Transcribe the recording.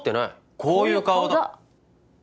こういう顔だ